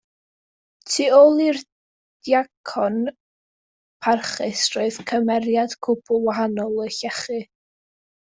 Tu ôl i'r diacon parchus roedd cymeriad cwbl wahanol yn llechu.